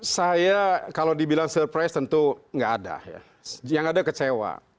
saya kalau dibilang surprise tentu nggak ada ya yang ada kecewa